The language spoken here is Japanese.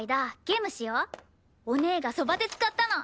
お姉が『そばテツ』買ったの。